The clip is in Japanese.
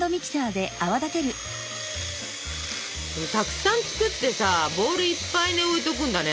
たくさん作ってさボールいっぱいに置いとくんだね。